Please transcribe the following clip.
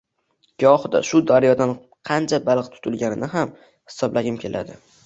Gohida shu daryodan qancha baliq tutilganini ham hisoblagim keladi.